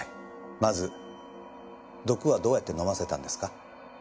まず毒はどうやって飲ませたんですか？